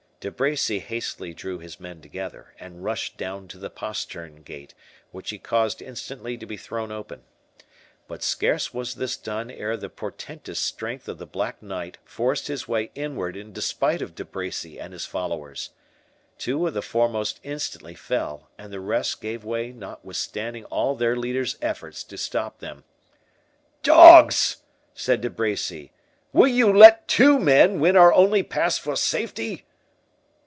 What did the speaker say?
De Bracy hastily drew his men together, and rushed down to the postern gate, which he caused instantly to be thrown open. But scarce was this done ere the portentous strength of the Black Knight forced his way inward in despite of De Bracy and his followers. Two of the foremost instantly fell, and the rest gave way notwithstanding all their leader's efforts to stop them. "Dogs!" said De Bracy, "will ye let TWO men win our only pass for safety?"